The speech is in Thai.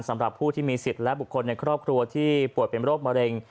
สำหรับผู้ที่มีสิทธิ์และบุคคลในครอบครัวที่ป่วยเป็นโรคมะเร็ง